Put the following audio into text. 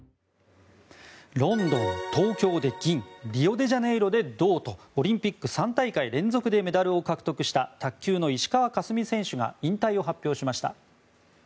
ロンドン、東京で銀リオデジャネイロで銅とオリンピック３大会連続でメダルを獲得した卓球の石川佳純選手が引退を発表しました。